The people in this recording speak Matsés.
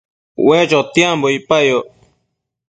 Ue chotiambo icpayoc